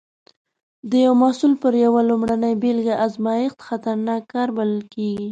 د یو محصول پر یوه لومړنۍ بېلګه ازمېښت خطرناک کار بلل کېږي.